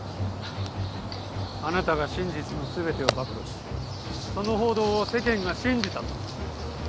あなたが真実の全てを暴露しその報道を世間が信じたとする。